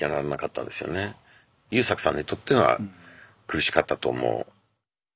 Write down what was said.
優作さんにとっては苦しかったと思う。